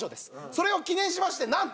それを記念しましてなんと。